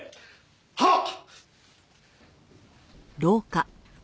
はっ！